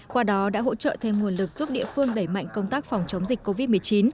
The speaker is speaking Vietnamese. qua đó đã hỗ trợ thêm nguồn lực giúp địa phương đẩy mạnh công tác phòng chống dịch covid một mươi chín